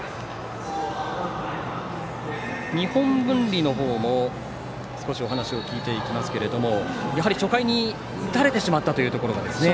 日本文理の方もお話を聞いていきますけれども初回に打たれてしまったというところですね。